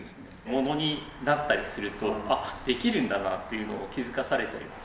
ものになったりするとあできるんだなっていうのを気付かされたりも。